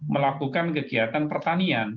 melakukan kegiatan pertanian